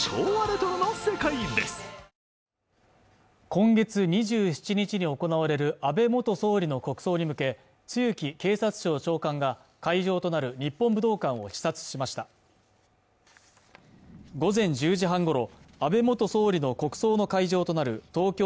今月２７日に行われる安倍元総理の国葬に向け露木警察庁長官が会場となる日本武道館を視察しました午前１０時半ごろ安倍元総理の国葬の会場となる東京